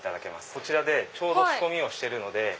こちらでちょうど仕込みをしてるので。